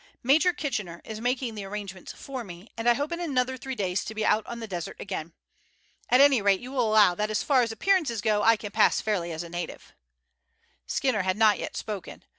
Major Kitchener is making the arrangements for me, and I hope in another three days to be out on the desert again. At any rate you will allow that as far as appearances go I can pass fairly as a native." Skinner had not yet spoken.